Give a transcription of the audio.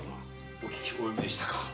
お聞きおよびでしたか。